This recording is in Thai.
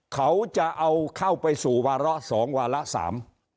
เขาจะเอาเข้าไปสู่วาระสองวาระสาม